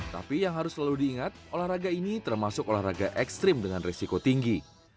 tapi yang harus selalu diingat olahraga ini termasuk olahraga ekstrim dengan risiko tinggi